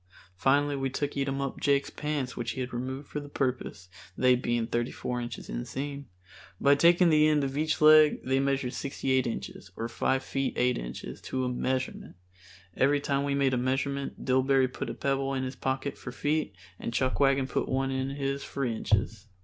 Finally we took Eatumup Jake's pants which he had removed for the purpose, they being thirty four inches inseam. By taking the end of each leg they measured sixty eight inches, or five feet eight inches, to a measurement. Every time we made a measurement Dillbery put a pebble in his pocket for feet and Chuckwagon put one in his for inches.